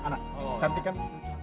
anak cantik kan